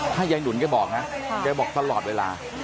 ถ้ายายหนุนแกบอกนะแกบอกตลอดเวลา